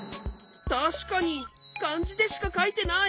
たしかにかんじでしかかいてない。